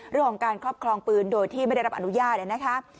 เรื่องของการครอบครองปืนโดยที่ไม่ได้รับอนุญาตนะคะ